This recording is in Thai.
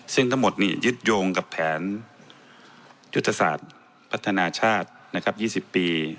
ซึ่งทั้งหมดยึดโยงกับแผนยุทธศาสตร์พัฒนาชาติ๒๐ปี